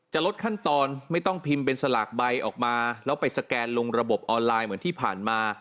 ลดขั้นตอนไม่ต้องพิมพ์เป็นสลากใบออกมาแล้วไปสแกนลงระบบออนไลน์เหมือนที่ผ่านมา